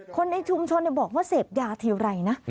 คนได้ชุมชนบอกว่าเศพยาทีอะไรนะ